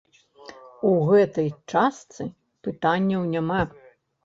У гэтай частцы пытанняў няма.